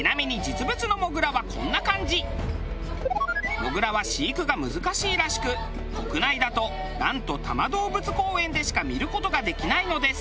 モグラは飼育が難しいらしく国内だとなんと多摩動物公園でしか見る事ができないのです。